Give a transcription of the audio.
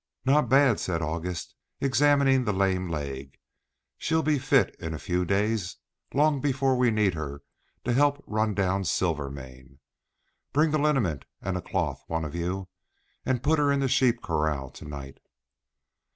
"Not bad," said August, examining the lame leg. "She'll be fit in a few days, long before we need her to help run down Silvermane. Bring the liniment and a cloth, one of you, and put her in the sheep corral to night."